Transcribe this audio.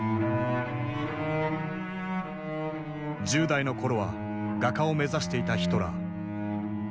１０代の頃は画家を目指していたヒトラー。